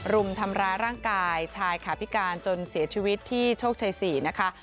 รุมทำร้ายร่างกายชายขาพิการจนเสียชีวิตที่โชคชัย๔นะคะ